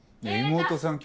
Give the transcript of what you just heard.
妹さん